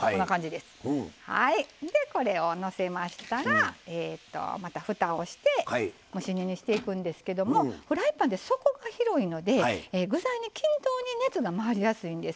でこれをのせましたらまたふたをして蒸し煮にしていくんですけどもフライパンって底が広いので具材に均等に熱が回りやすいんです。